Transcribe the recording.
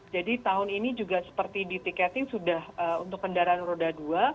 jadi tahun ini juga seperti di tiketing sudah untuk kendaraan roda dua